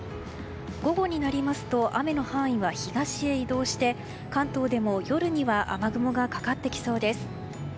午後になりますと雨の範囲は東へ移動して関東でも夜には雨雲がかかってきそうです。